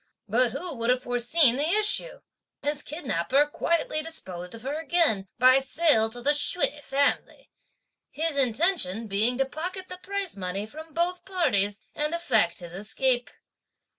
But who would have foreseen the issue? This kidnapper quietly disposed of her again by sale to the Hsüeh family; his intention being to pocket the price money from both parties, and effect his escape.